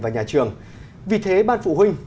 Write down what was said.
và nhà trường vì thế ban phụ huynh